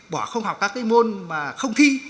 bỏ không học các cái môn mà không thi